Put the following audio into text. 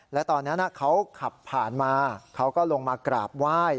และตอนนั้นเขาขับผ่านมาเขาก็ลงมากราบไหว้